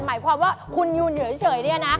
หมายความว่าคุณอยู่เหนือเฉยเนี่ยนะ